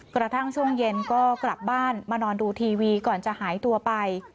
กระทั่งช่วงเย็นก็กลับบ้านมานอนดูทีวีก่อนจะหายตัวไป